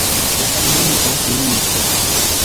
La familio Filipo.